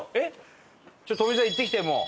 ちょっと富澤行ってきてもう。